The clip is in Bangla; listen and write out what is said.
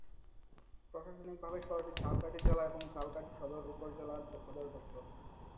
প্রশাসনিকভাবে শহরটি ঝালকাঠি জেলা এবং ঝালকাঠি সদর উপজেলার সদর দফতর।